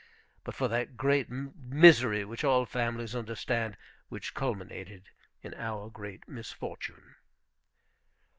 but for that great misery, which all families understand, which culminated in our great misfortune.